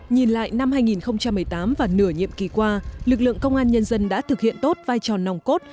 nhìn lại năm hai nghìn một mươi tám và nửa nhiệm kỳ qua lực lượng công an nhân dân đã thực hiện tốt vai trò nòng cốt